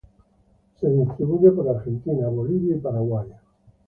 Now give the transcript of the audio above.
Se distribuye por Argentina, Bolivia y Paraguay.